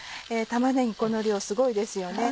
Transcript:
玉ねぎこの量すごいですよね。